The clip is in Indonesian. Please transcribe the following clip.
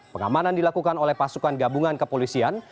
pengamanan dilakukan oleh pasukan gabungan kepolisian